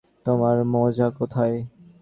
তোমার মোজা কোথায়?